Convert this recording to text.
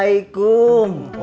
ayah mama kemana